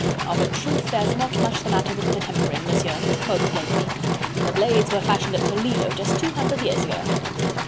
"Of a truth there's not much the matter with the tempering, Monsieur," quoth Blakeney, "the blades were fashioned at Toledo just two hundred years ago."